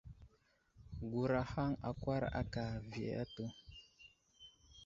Gurahaŋ akwar aka avi atu.